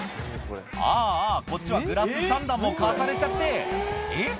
ああこっちはグラス３段も重ねちゃってえっ